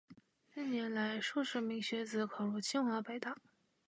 近年来，数十名学子考入清华、北大